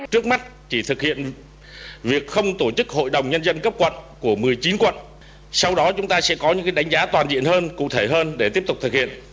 trước mắt chỉ thực hiện việc không tổ chức hội đồng nhân dân cấp quận của một mươi chín quận sau đó chúng ta sẽ có những đánh giá toàn diện hơn cụ thể hơn để tiếp tục thực hiện